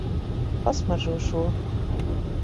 Pasmaržo šo.